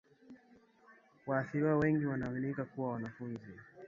Waathiriwa wengi wanaaminika kuwa wanafunzi